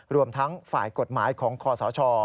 รวมทั้งฝ่ายกฎหมายของคอสช